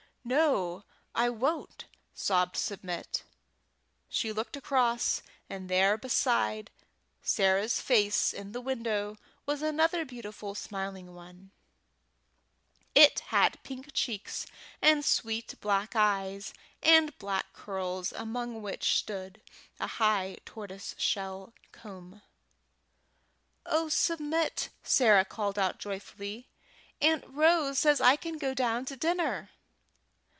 "No, I won't," sobbed Submit. She looked across, and there beside Sarah's face in the window was another beautiful smiling one. It had pink cheeks and sweet black eyes and black curls, among which stood a high tortoise shell comb. "Oh, Submit!" Sarah called out, joyfully, "Aunt Rose says I can go down to dinner!"